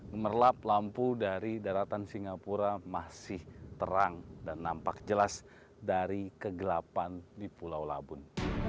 gemerlap lampu dari daratan singapura masih terang dan nampak jelas dari kegelapan di pulau labun